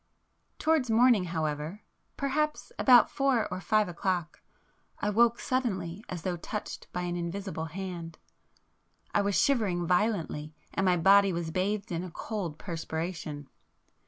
Towards morning however, perhaps about four or five o'clock, I woke suddenly as though touched by an invisible hand. I was shivering violently, and my body was bathed in a cold perspiration.